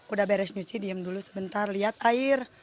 udah beres nyuci diem dulu sebentar lihat air